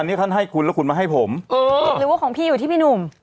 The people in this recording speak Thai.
อันนี้ท่านให้คุณแล้วคุณมาให้ผมเออหรือว่าของพี่อยู่ที่พี่หนุ่ม